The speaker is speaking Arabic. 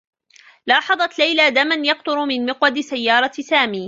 لاحظت ليلى دما يقطر من مقود سيّارة سامي.